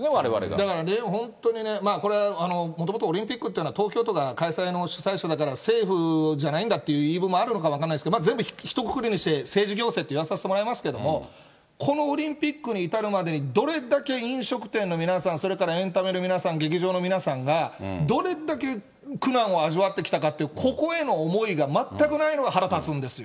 だからね、本当にね、もともとオリンピックっていうのは、東京都が開催の主催者だから、政府じゃないんだっていう言い分もあるのかも分からないんですけど、全部ひとくくりにして政治行政って言わさせてもらいますけれども、このオリンピックに至るまでに、どれだけ飲食店の皆さん、それからエンタメの皆さん、劇場の皆さんが、どれだけ苦難を味わってきたかっていう、ここへの思いが全くないのが腹立つんですよ。